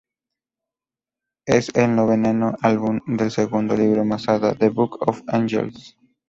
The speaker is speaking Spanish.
Es el noveno álbum del segundo libro Masada, ""The Book of Angels"".